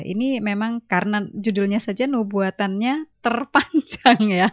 ini memang karena judulnya saja nubuatannya terpanjang ya